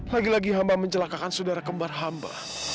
lagi lagi hamba mencelakakan saudara kembar hamba